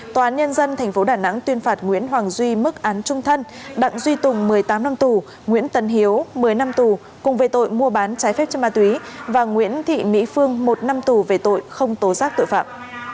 tòa án nhân dân tp đà nẵng tuyên phạt nguyễn hoàng duy mức án trung thân đặng duy tùng một mươi tám năm tù nguyễn tân hiếu một mươi năm tù cùng về tội mua bán trái phép chất ma túy và nguyễn thị mỹ phương một năm tù về tội không tố giác tội phạm